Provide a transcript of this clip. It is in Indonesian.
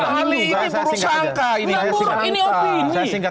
pak ali ini buru sangka